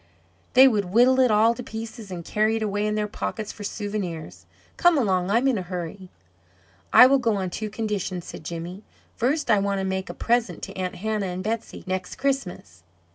They would whittle it all to pieces, and carry it away in their pockets for souvenirs. Come along; I am in a hurry." "I will go on two conditions," said Jimmy. "First, I want to make a present to Aunt Hannah and Betsey, next Christmas."